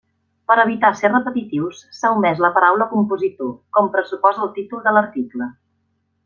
Per evitar ser repetitius s'ha omès la paraula compositor, com pressuposa el títol de l'article.